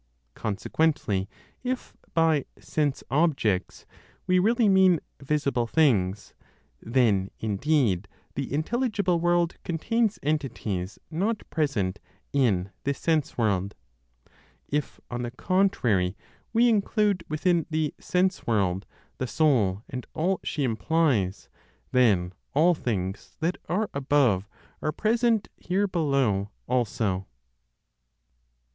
Consequently if, by "sense objects" we really mean "visible" things, then indeed the intelligible world contains entities not present in this sense world. If, on the contrary, we include within the "sense world" the soul and all she implies, then all things that are above are present here below also.